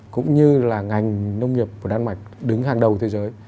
cũng như là ngành nông nghiệp của đan mạch đứng hàng đầu thế giới